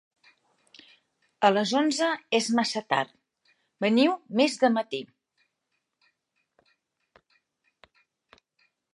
A les onze és massa tard: veniu més de matí.